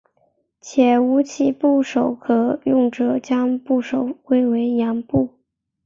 且无其他部首可用者将部首归为羊部。